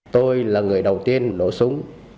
tôi là người đầu tiên nổ súng